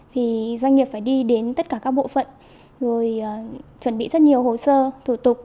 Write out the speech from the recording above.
thì doanh nghiệp phải đi đến tất cả các bộ phận rồi chuẩn bị rất nhiều hồ sơ thủ tục